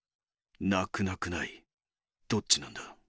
なくなくないどっちなんだ。